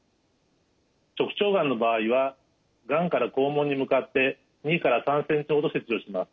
直腸がんの場合はがんから肛門に向かって２３ｃｍほど切除します。